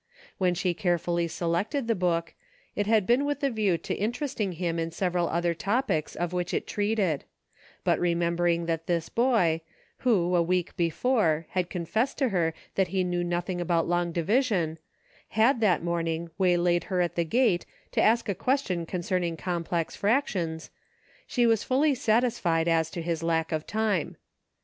When she care fully selected the book, it had been with a view to interesting him in several other topics of which it treated ; but remembering that this boy, who, a week before, had confessed to her that he knew nothing about long division, had that morning waylaid her at the gate to ask a question concern ing complex fractions, she was fully satisfied as to his lack of time.